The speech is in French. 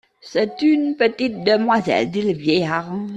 C’est une petite demoiselle, dit le vieillard.